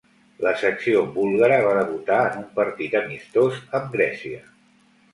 La selecció búlgara va debutar en un partit amistós amb Grècia.